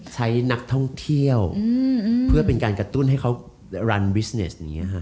ใช้นักท่องเที่ยวเพื่อเป็นการกระตุ้นให้เขารันบิสเนส